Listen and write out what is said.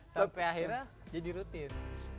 sampai akhirnya jadi rutin